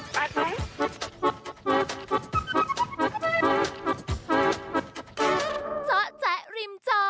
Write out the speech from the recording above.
ไป